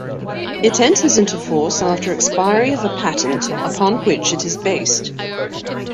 It enters into force after expiry of a patent upon which it is based.